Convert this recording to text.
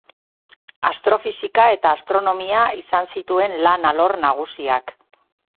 Astrofisika eta astronomia izan zituen lan alor nagusiak.